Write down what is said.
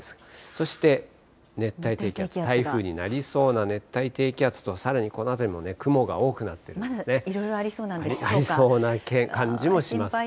そして熱帯低気圧、台風になりそうな熱帯低気圧と、さらにこの辺りも雲が多くなってまだいろいろありそうなんでありそうな感じもします。